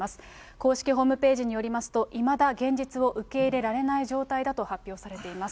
公式ホームページによりますと、いまだ現実を受け入れられない状態だと発表されています。